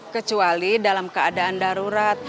kecuali dalam keadaan darurat